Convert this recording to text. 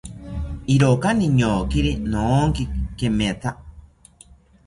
Iroka niñokiri noonki kemetha